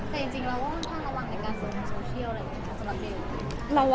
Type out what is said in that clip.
แต่จริงเราก็ค่อนข้างระวังในการเสิร์ชทางโซเชียลอะไรอย่างนี้ค่ะสำหรับเบล